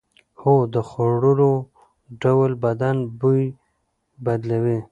هو، د خوړو ډول بدن بوی بدلوي.